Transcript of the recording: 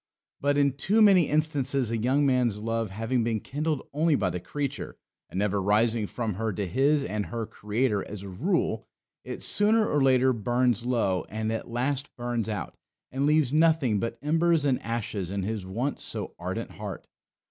But, in too many instances, a young man's love having been kindled only by the creature, and, never rising from her to his and her Creator, as a rule, it sooner or later burns low and at last burns out, and leaves nothing but embers and ashes in his once so ardent heart.